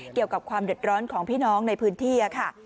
เกี่ยวกับความเดือดร้อนของพี่น้องในพื้นที่ค่ะ